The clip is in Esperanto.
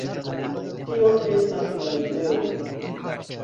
Tio estas la ideo.